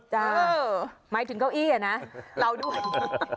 จ้ะหมายถึงเก้าอี้น่ะเราด้วยนะฮ่า